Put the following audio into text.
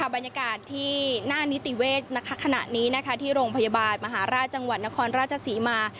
บรรยากาศที่หน้านิติเวศขณะนี้ที่โรงพยาบาลมหาราชจังหวัดนครราชศรีมา